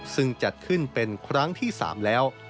ซึ่งจัดขึ้นเป็นครั้งที่๓แล้ว